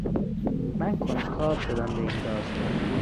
من کنجکاو شدم به این داستان.